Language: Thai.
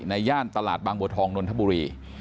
ย่านตลาดบางบัวทองนนทบุรี